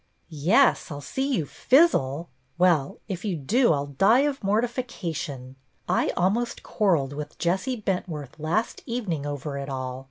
" Yes, I 'll see you fizzle. Well, if you do I 'll die of mortification. I almost quar relled with Jessie Bentworth last evening over it all.